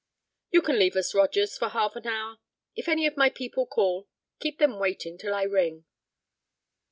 "You can leave us, Rogers, for half an hour. If any of my people call, keep them waiting till I ring."